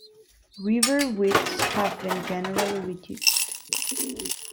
River widths have been generally reduced.